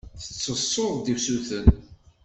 Tettessuḍ-d usuten.